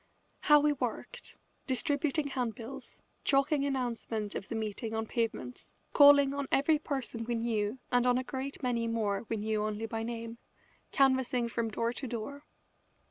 How we worked, distributing handbills, chalking announcements of the meeting on pavements, calling on every person we knew and on a great many more we knew only by name, canvassing from door to door!